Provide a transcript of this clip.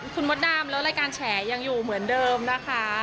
คุณมดดำแล้วรายการแฉยังอยู่เหมือนเดิมนะคะ